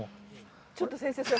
ちょっと先生それ。